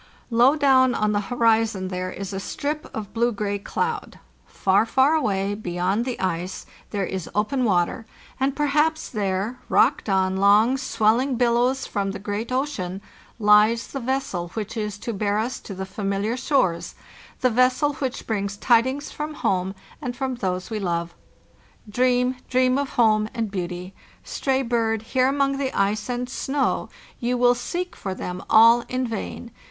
"Low down on the horizon there is a strip of blue gray cloud. Far, far away beyond the ice there is open water, and perhaps there, rocked on long swelling billows from the great ocean, lies the vessel which is to bear us to the familiar shores, the vessel which brings tidings from home and from those we love. "Dream, dream of home and beauty! Stray bird, here among the ice and snow you will seek for them all in vain.